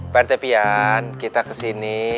pak rt pian kita kesini